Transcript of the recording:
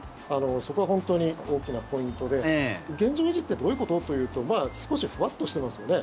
そこは本当に大きなポイントで現状維持ってどういうこと？というと少しふわっとしてますよね。